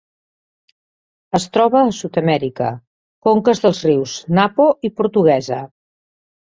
Es troba a Sud-amèrica: conques dels rius Napo i Portuguesa.